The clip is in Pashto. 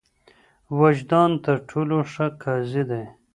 وجدان تر ټولو ښه قاضي دی.